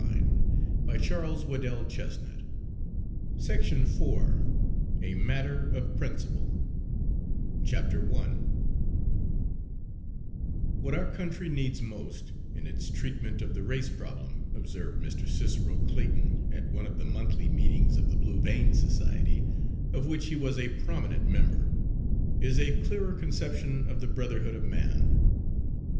He had evidently been dead several hours. Page 94 A MATTER OF PRINCIPLE I "WHAT our country needs most in its treatment of the race problem," observed Mr. Cicero Clayton at one of the monthly meetings of the Blue Vein Society, of which he was a prominent member, "is a clearer conception of the brotherhood of man."